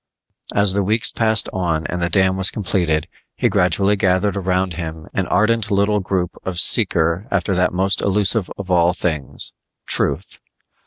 As the weeks passed on and the dam was completed, he gradually gathered around him an ardent little group of seeker after that most elusive of all things "Truth".